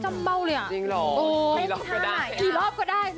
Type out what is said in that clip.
กับเพลงที่มีชื่อว่ากี่รอบก็ได้